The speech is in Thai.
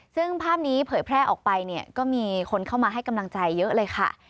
ซึ่งภาพนี้เผยแพร่ออกไปเนี่ยก็มีคนเข้ามาให้กำลังใจเยอะเลยค่ะ